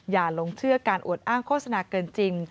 หลงเชื่อการอวดอ้างโฆษณาเกินจริง